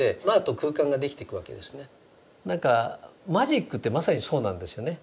マジックってまさにそうなんですよね。